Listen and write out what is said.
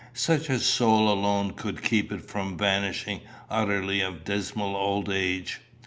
Such a soul alone could keep it from vanishing utterly of dismal old age.